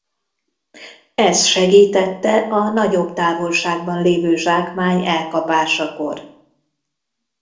Ez segítette a nagyobb távolságban lévő zsákmány elkapásakor.